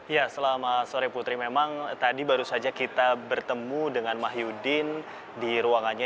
ya selama sore putri memang tadi baru saja kita bertemu dengan mahyudin di ruangannya